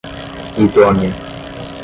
idônea